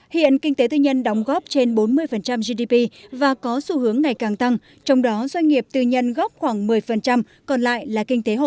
hiện kinh tế tư nhân đóng góp trên bốn mươi gdp và có xu hướng ngày càng tăng trong đó doanh nghiệp tư nhân góp khoảng một mươi còn lại là kinh tế hộ